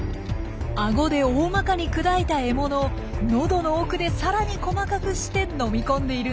顎で大まかに砕いた獲物を喉の奥でさらに細かくして飲み込んでいるんです。